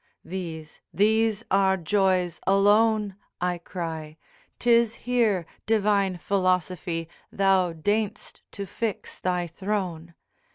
'These, these are joys alone, I cry, 'Tis here, divine Philosophy, Thou deign'st to fix thy throne!